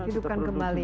hidupkan kembali ya